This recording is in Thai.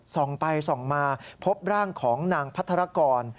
ส่องไปส่องมาพบร่างของนางพัทรกร